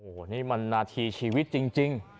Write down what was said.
โอ้โหนี่มันนาทีชีวิตจริง